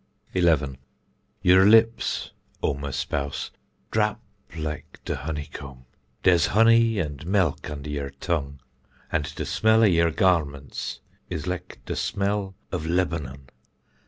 11. Yer lips, O my spouse, drap lik de honeycomb; dere's honey an melk under yer tongue; an de smell of yer garments is lik de smell of Lebanon.